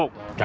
janda aja bos